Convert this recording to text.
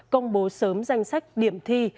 công bố sớm danh sách điểm thi